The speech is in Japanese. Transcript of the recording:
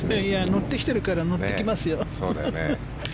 乗ってきているから乗ってきますよ。